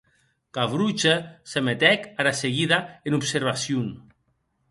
Gavroche se metec ara seguida en observacion.